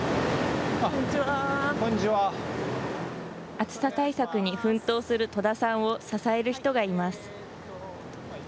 暑さ対策に奮闘する戸田さんを支える人がいます。